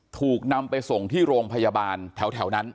ถูกนำไปส่งที่โรงพยาบาลแถวนั้น